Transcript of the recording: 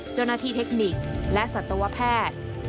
เจ้าหน้าที่เทคนิคและสัตวแพทย์